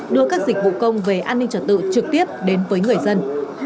đưa các dịch vụ công về an ninh trật tự trực tiếp đến với người dân